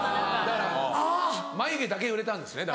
だから眉毛だけ売れたんですね。